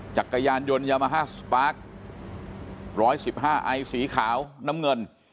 จักรยานยนต์ยามาฮาสปาร์ค๑๑๕ไอสีขาวน้ำเงิน